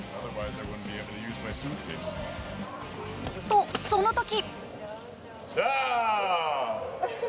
と、その時。